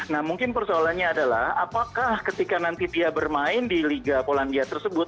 nah mungkin persoalannya adalah apakah ketika nanti dia bermain di liga polandia tersebut